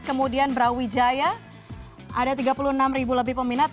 kemudian brawijaya ada tiga puluh enam ribu lebih peminat